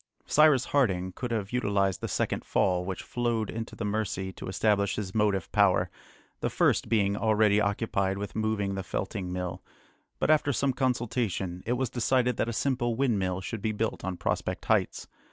Cyrus Harding could have utilised the second fall which flowed into the Mercy to establish his motive power, the first being already occupied with moving the felting mill; but after some consultation, it was decided that a simple windmill should be built on Prospect Heights.